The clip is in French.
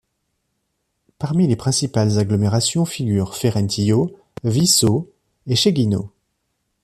Parmi les principales agglomérations figurent Ferentillo, Visso et Scheggino.